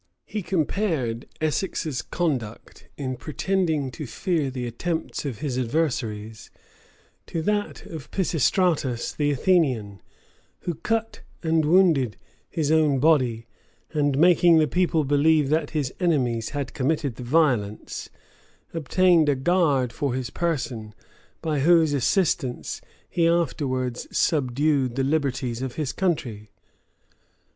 He compared Essex's conduct, in pretending to fear the attempts of his adversaries, to that of Pisistratus the Athenian, who cut and wounded his own body, and, making the people believe that his enemies had committed the violence, obtained a guard for his person, by whose assistance he afterwards subdued the liberties of his country.